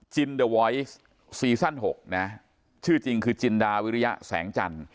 จินเดอร์วอยซ์ซีซั่น๖นะชื่อจริงคือจินดาวิริยะแสงจันทร์